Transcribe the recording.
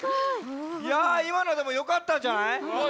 いやいまのでもよかったんじゃない？